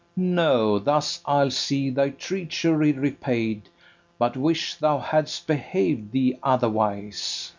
No, thus I'll see thy treachery repaid, But wish thou hadst behav'd thee otherwise.